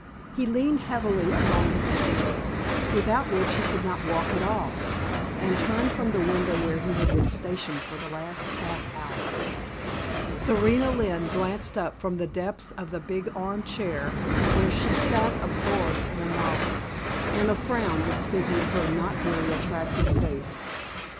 He leaned heavily upon his cane, without which he could not walk at all, and turned from the window where he had been stationed for the last half hour. Serena Lynne glanced up from the depths of the big arm chair where she sat absorbed in a novel, and a frown disfigured her not very attractive face.